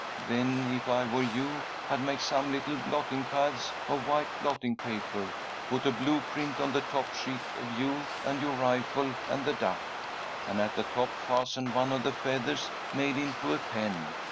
Then if I were you I'd make some little blotting pads of white blotting paper, put a blue print on the top sheet, of you and your rifle and the duck, and at the top fasten one of the feathers made into a pen.